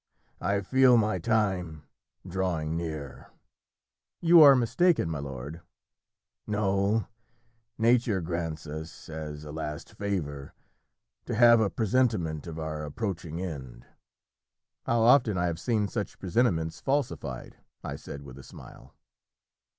"I feel my time drawing near." "You are mistaken, my lord." "No; Nature grants us, as a last favour, to have a presentiment of our approaching end." "How often I have seen such presentiments falsified!" I said with a smile.